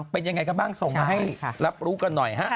เป็นยังไงกันบ้างส่งมาให้รับรู้กันหน่อยฮะ